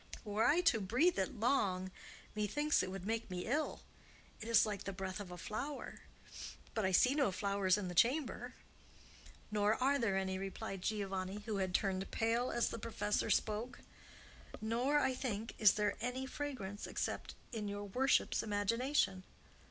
Were I to breathe it long, methinks it would make me ill. It is like the breath of a flower; but I see no flowers in the chamber." "Nor are there any," replied Giovanni, who had turned pale as the professor spoke; "nor, I think, is there any fragrance except in your worship's imagination.